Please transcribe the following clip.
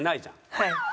はい。